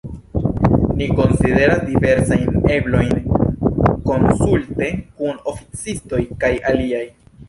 Ni konsideras diversajn eblojn konsulte kun oficistoj kaj aliaj.